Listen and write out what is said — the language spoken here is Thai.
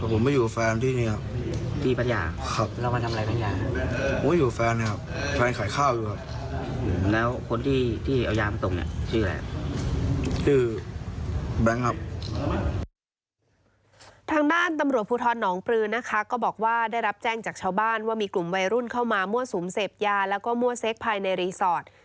ทางด้านตำรวจภูทรหนองปลือนะคะก็บอกว่าได้รับแจ้งจากชาวบ้านว่ามีกลุ่มวัยรุ่นเข้ามามั่วสุมเสพยาแล้วก็มั่วเซ็กภายในรีสอร์ท